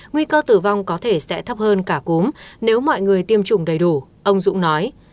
nguy cơ tử vong có thể sẽ thấp hơn cả cúm nếu mọi người tiêm chủng đầy đủ ông dũng nói